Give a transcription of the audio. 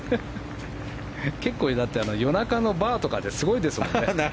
結構、夜中のバーとかですごいですもんね。